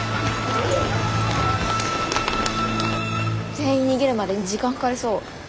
全員逃げるまでに時間かかりそう。